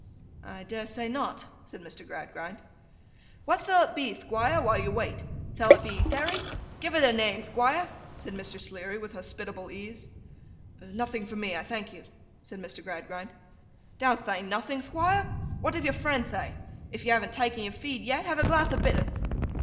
'I dare say not,' said Mr. Gradgrind. 'What thall it be, Thquire, while you wait? Thall it be Therry? Give it a name, Thquire!' said Mr. Sleary, with hospitable ease. 'Nothing for me, I thank you,' said Mr. Gradgrind. 'Don't thay nothing, Thquire. What doth your friend thay? If you haven't took your feed yet, have a glath of bitterth.